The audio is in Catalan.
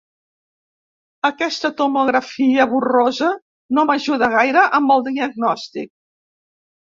Aquesta tomografia borrosa no m'ajuda gaire amb el diagnòstic.